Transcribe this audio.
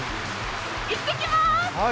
行ってきまーす。